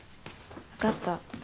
わかった。